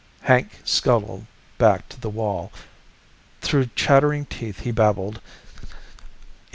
Hank scuttled back to the wall. Through chattering teeth he babbled